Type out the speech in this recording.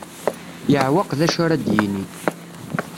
Yeɛweq d acu ara d-yini.